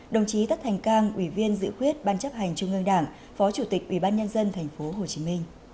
đồng chí tất thành cang ủy viên dự khuyết ban chấp hành trung ương đảng phó chủ tịch ủy ban nhân dân tp hcm